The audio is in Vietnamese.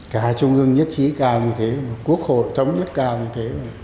cả trung ương nhất trí càng như thế quốc hội thống nhất cao như thế